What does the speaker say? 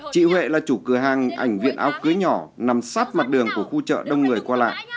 chị huệ là chủ cửa hàng ảnh viện áo cưới nhỏ nằm sát mặt đường của khu chợ đông người qua lại